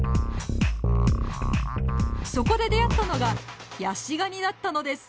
そこで出会ったのがヤシガニだったのです！